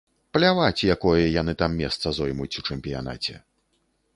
Пляваць, якое яны там месца зоймуць у чэмпіянаце.